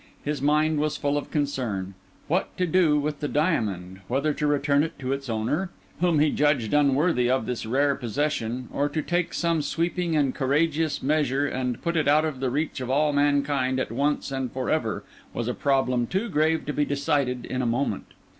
His mind was full of concern; what to do with the diamond, whether to return it to its owner, whom he judged unworthy of this rare possession, or to take some sweeping and courageous measure and put it out of the reach of all mankind at once and for ever, was a problem too grave to be decided in a moment.